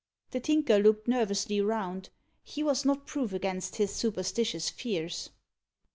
The Tinker looked nervously round. He was not proof against his superstitious fears.